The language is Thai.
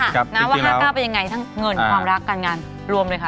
ค่ะจริงแล้วน้ำว่าห้าต้าไปยังไงทั้งเงินความรักการงานรวมเลยค่ะ